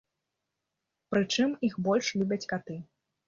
Прычым, іх больш любяць каты.